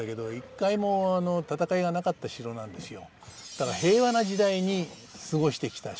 だから平和な時代に過ごしてきた城。